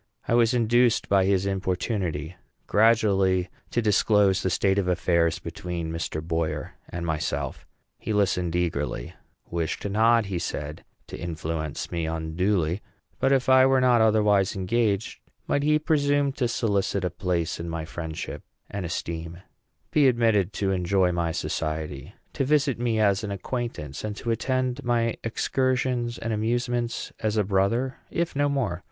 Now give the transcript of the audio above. I was induced by his importunity gradually to disclose the state of affairs between Mr. Boyer and myself. He listened eagerly; wished not, he said, to influence me unduly; but if I were not otherwise engaged, might he presume to solicit a place in my friendship and esteem, be admitted to enjoy my society, to visit me as an acquaintance, and to attend my excursions and amusements as a brother, if not more?